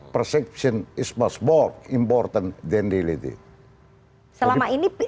persepsi adalah lebih penting daripada peneliti